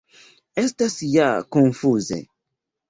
Estas ja konfuze.